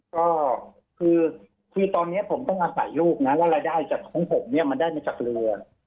ก็คือตอนนี้ผมต้องอาศัยลูกนะว่ารายได้จากของผมเนี่ยมันได้มาจากเรือ